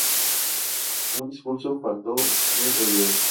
un discurso falto de realidad